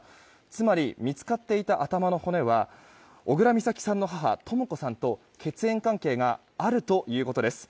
つまり、見つかっていた頭の骨は小倉美咲さんの母とも子さんと血縁関係があるということです。